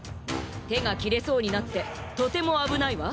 てがきれそうになってとてもあぶないわ。